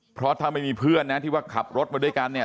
เพราะถ้าไม่มีเพื่อนนะที่ว่าขับรถมาด้วยกันเนี่ย